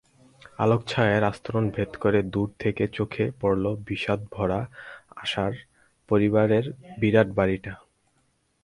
আলোছায়ার আস্তরণ ভেদ করে দূর থেকে চোখে পড়ল বিষাদভরা আশার পরিবারের বিরাট বাড়িটা।